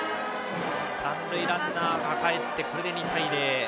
三塁ランナーがかえって２対０。